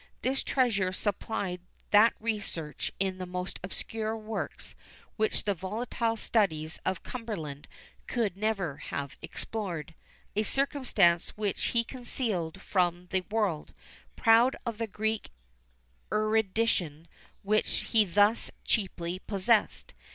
This treasure supplied that research in the most obscure works, which the volatile studies of Cumberland could never have explored; a circumstance which he concealed from the world, proud of the Greek erudition which he thus cheaply possessed.